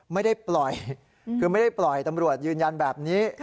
ไม่ได้ปล่อยคือไม่ได้ปล่อยตำรวจยืนยันแบบนี้